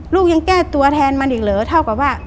ลูกยังแก้ตัวแทนมันอีกเหรอเท่ากับว่า